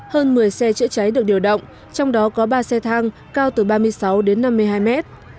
hơn một mươi xe chữa cháy được điều động trong đó có ba xe thang cao từ ba mươi sáu đến năm mươi hai mét